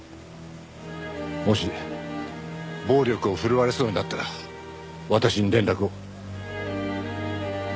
もし暴力を振るわれそうになったら私に連絡を。